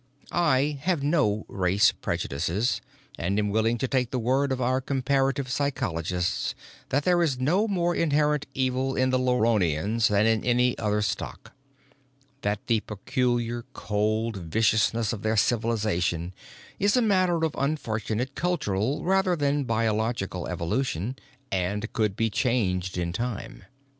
I have no race prejudices and am willing to take the word of our comparative psychologists that there is no more inherent evil in the Luronians than in any other stock, that the peculiar cold viciousness of their civilization is a matter of unfortunate cultural rather than biological evolution and could be changed in time.